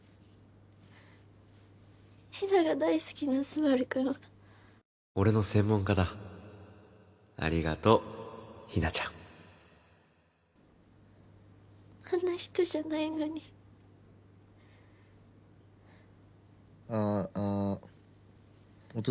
ヒナが大好きなスバルくんは「俺の専門家だありがとうヒナちゃあんな人じゃないのに「ああ音大丈夫？」